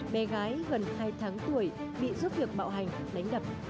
bé gái gần hai tháng tuổi bị giúp việc bạo hành đánh đập